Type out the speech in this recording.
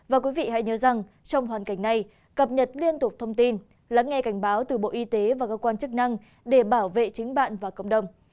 và quý vị hãy nhớ rằng trong hoàn cảnh này cập nhật liên tục thông tin lắng nghe cảnh báo từ bộ y tế và cơ quan chức năng để bảo vệ chính bạn và cộng đồng